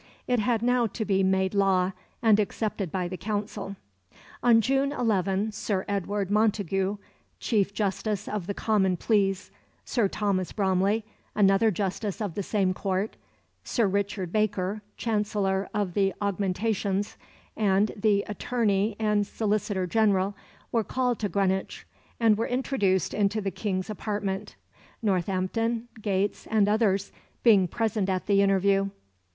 It had now to be made law and accepted by the Council. On June 11 Sir Edward Montagu, Chief Justice of the Common Pleas, Sir Thomas Bromley, another Justice of the same court, Sir Richard Baker, Chancellor of the Augmentations, and the Attorney and Solicitor General were called to Greenwich, and were introduced into the King's apartment, Northampton, Gates, and others being present at the interview.